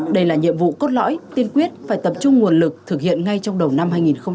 đây là nhiệm vụ cốt lõi tiên quyết phải tập trung nguồn lực thực hiện ngay trong đầu năm hai nghìn hai mươi